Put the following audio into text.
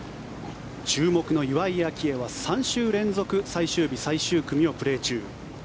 注目の岩井明愛は３週連続最終日、最終組をプレー中。